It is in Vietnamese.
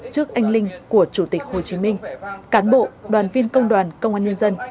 trước anh linh của chủ tịch hồ chí minh cán bộ đoàn viên công đoàn công an nhân dân